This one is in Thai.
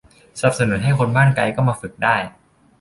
สนับสนุนให้คนบ้านไกลก็มาฝึกได้